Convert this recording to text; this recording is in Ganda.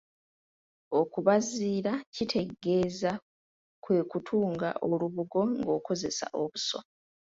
Okubaziira kitegeeza kwe kutunga olubugo ng'okozesa obuso.